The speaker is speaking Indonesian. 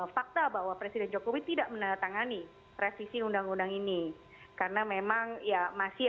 fakta bahwa presiden jokowi tidak menandatangani revisi undang undang ini karena memang ya masih